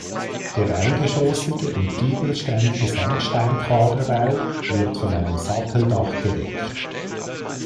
Der eingeschossige und giebelständige Sandsteinquaderbau wird von einem Satteldach gedeckt.